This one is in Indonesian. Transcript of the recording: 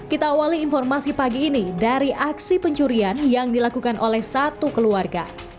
kita awali informasi pagi ini dari aksi pencurian yang dilakukan oleh satu keluarga